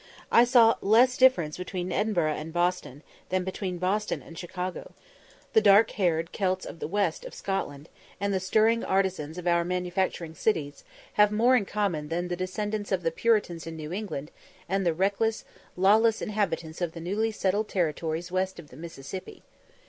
I saw less difference between Edinburgh and Boston, than between Boston and Chicago; the dark haired Celts of the west of Scotland, and the stirring artisans of our manufacturing cities, have more in common than the descendants of the Puritans in New England, and the reckless, lawless inhabitants of the newly settled territories west of the Mississippi.